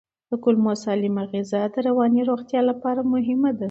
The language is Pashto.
د کولمو سالمه غذا د رواني روغتیا لپاره مهمه ده.